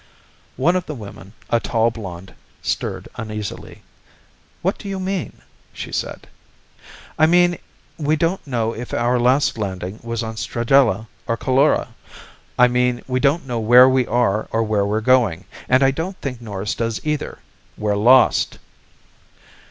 One of the women, a tall blonde, stirred uneasily. "What do you mean?" she said. "I mean we don't know if our last landing was on Stragella or Coulora. I mean we don't know where we are or where we're going, and I don't think Norris does either. _We're lost!